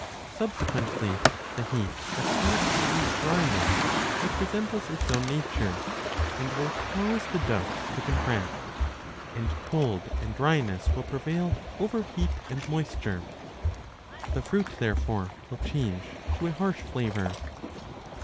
Subsequently the heat attracts the dryness which resembles its own nature, and will cause the ducts _to contract, and 40 cold and dryness will prevail over heat and moisture ; the fruit, therefore, will change to a harsh flavour.